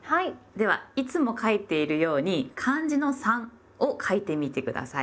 ではいつも書いているように漢字の「三」を書いてみて下さい。